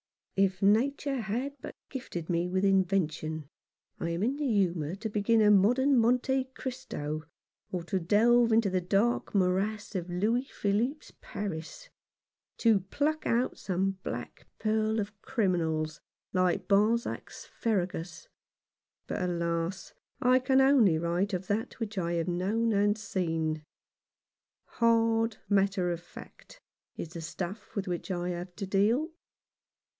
If nature had but gifted me with invention, I am in the humour to begin a modern Monte Christo, or to delve into the dark morass of Louis Philippe's Paris, to pluck out some black pearl of criminals like Balzac's Ferragus ; but, alas ! I can only write of that which I have known and seen. Hard matter of fact is the stuff with which I have to deal.